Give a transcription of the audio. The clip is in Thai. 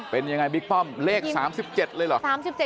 เป็นยังไงบิ๊กป้อมเลข๓๗เลยเหรอ